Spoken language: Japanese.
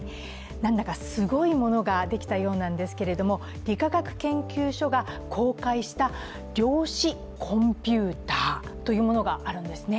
なんだかすごいものができたようなんですけれども、理化学研究所が公開した量子コンピューターというものがあるんですね。